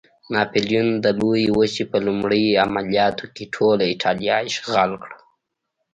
ناپلیون د لویې وچې په لومړي عملیاتو کې ټوله اېټالیا اشغال کړه.